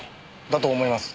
だと思います。